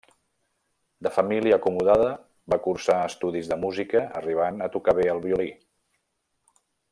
De família acomodada, va cursar estudis de música arribant a tocar bé el violí.